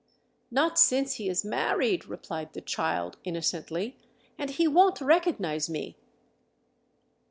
" Not since he is married," replied the child, innocently, " and he won't recognize me."